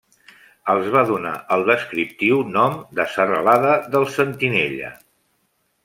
Els va donar el descriptiu nom de serralada del Sentinella.